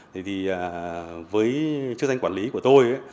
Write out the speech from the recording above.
đấy thì với chức tranh quản lý của tôi